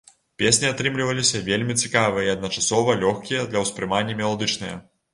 Песні атрымаліся вельмі цікавыя і адначасова лёгкія для ўспрымання, меладычныя.